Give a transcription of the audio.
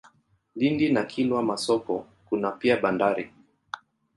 Lindi na Kilwa Masoko kuna pia bandari.